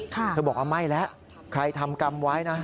เธอบอกว่าไม่แล้วใครทำกรรมไว้นะ